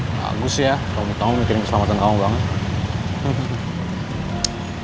bagus ya kau tahu mikirin keselamatan kamu banget